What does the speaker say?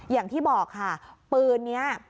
อย่างที่บอกค่ะปืนนี้